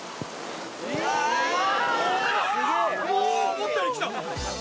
思ったよりきた！